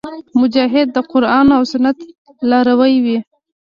مجاهد د قرآن او سنت لاروی وي.